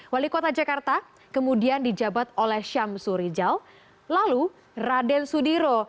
wali kota jakarta kemudian dijabat oleh syamsur rijal lalu raden sudiro